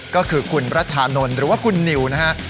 ก็คือคุณรัชานนท์หรือว่าคุณนิวนะฮะ